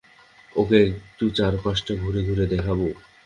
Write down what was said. ওকে একটু চারপাশটা ঘুরে ঘুরে দেখাবো।